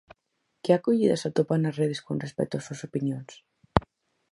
Que acollida se atopa nas redes con respecto ás súas opinións?